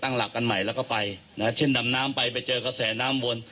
หลักกันใหม่แล้วก็ไปนะฮะเช่นดำน้ำไปไปเจอกระแสน้ำวน